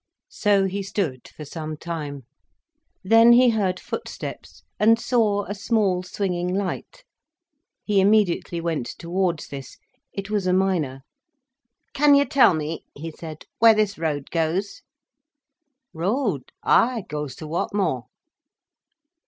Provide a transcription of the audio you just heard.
So he stood for some time. Then he heard footsteps, and saw a small, swinging light. He immediately went towards this. It was a miner. "Can you tell me," he said, "where this road goes?" "Road? Ay, it goes ter Whatmore."